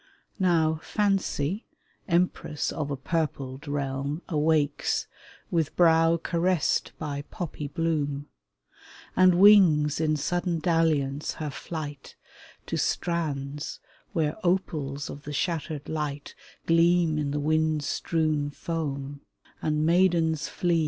Now Fancy, empress of a purpled realm, Awakes with brow caressed by poppy bloom, And wings in sudden dalliance her flight To strands where opals of the shattered light Gleam in the wind strewn foam, and maidens flee ••••